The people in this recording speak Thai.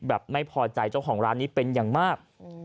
ไม่พอใจเจ้าของร้านนี้เป็นอย่างมาก